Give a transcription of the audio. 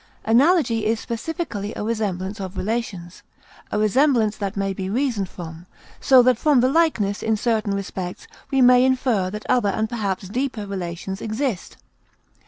Analogy is specifically a resemblance of relations; a resemblance that may be reasoned from, so that from the likeness in certain respects we may infer that other and perhaps deeper relations exist.